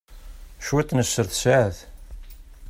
Cwiṭ n sser tesɛa-t.